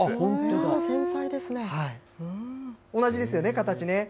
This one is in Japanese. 同じですよね、形ね。